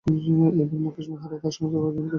এবার মুকেশ মেহরা তার সমস্ত পাপের জন্য ক্ষতিপূরণ দেবে।